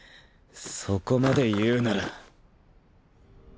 そこまで言うなら。